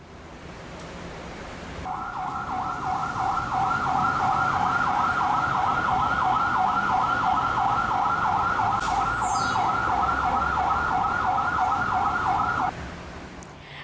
arus mudik natal dan tahun baru